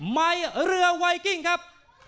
ไม้เรือไวกิ้งครับ